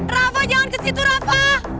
rafa jangan ke situ rafa